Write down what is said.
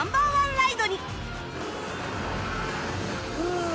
ライドに